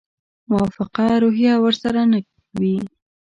موافقه روحیه ورسره نه وي.